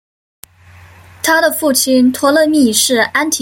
他的父亲托勒密是安提柯的弟弟。